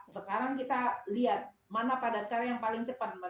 sekarang kita lihat mana padat karya yang paling cepat